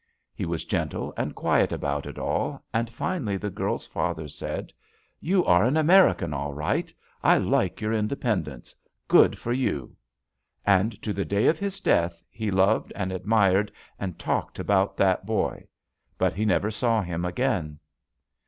He was gentle and quiet about it all, and finally the girl's father said: *You are an American, all right 1 I like your inde pendence. Good for you V And to the day of his death, he loved and admired and talked about that boy. But he never saw him again."